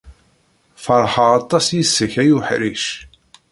Ferḥeɣ aṭas yis-k, ay uḥṛic.